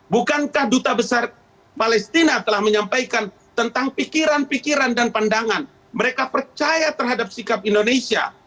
bukankah duta besar palestina telah menyampaikan tentang pikiran pikiran dan pandangan mereka percaya terhadap sikap indonesia